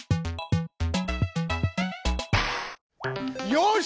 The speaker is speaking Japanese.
よし！